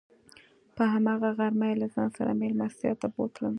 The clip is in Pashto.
په هماغه غرمه یې له ځان سره میلمستیا ته بوتلم.